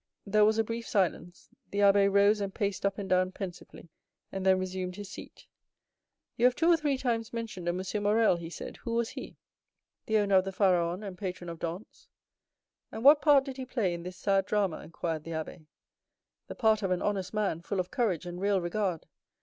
There was a brief silence; the abbé rose and paced up and down pensively, and then resumed his seat. "You have two or three times mentioned a M. Morrel," he said; "who was he?" "The owner of the Pharaon and patron of Dantès." "And what part did he play in this sad drama?" inquired the abbé. "The part of an honest man, full of courage and real regard.